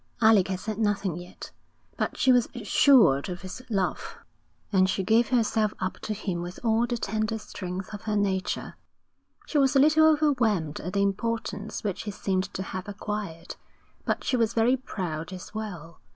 Alec had said nothing yet, but she was assured of his love, and she gave herself up to him with all the tender strength of her nature. She was a little overwhelmed at the importance which he seemed to have acquired, but she was very proud as well.